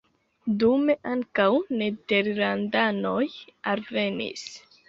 Dume ankaŭ nederlandanoj alvenis.